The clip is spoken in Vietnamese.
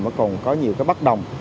mà còn có nhiều cái bắt đồng